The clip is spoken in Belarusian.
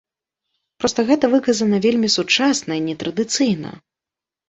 Проста гэта выказана вельмі сучасна і нетрадыцыйна.